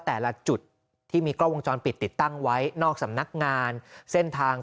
แต่ละจุดที่มีกล้องวงจรปิดติดตั้งไว้นอกสำนักงานเส้นทาง